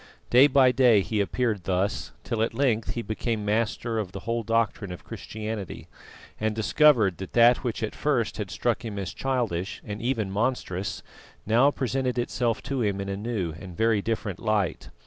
Day by day he appeared thus, till at length he became master of the whole doctrine of Christianity, and discovered that that which at first had struck him as childish and even monstrous, now presented itself to him in a new and very different light.